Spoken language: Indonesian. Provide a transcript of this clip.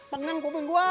pengen ngubung gua